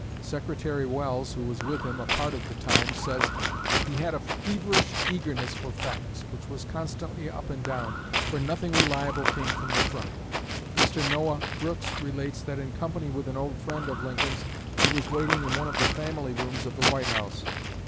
Secretary Welles, who was with him a part of the time, says: "He had a feverish eagerness for facts; was constantly up and down, for nothing reliable came from the front." Mr. Noah Brooks relates that in company with an old friend of Lincoln's he was waiting in one of the family rooms of the White House.